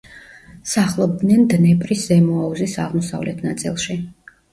სახლობდნენ დნეპრის ზემო აუზის აღმოსავლეთ ნაწილში.